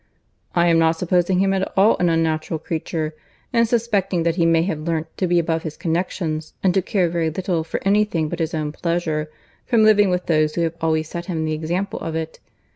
"I am not supposing him at all an unnatural creature, in suspecting that he may have learnt to be above his connexions, and to care very little for any thing but his own pleasure, from living with those who have always set him the example of it.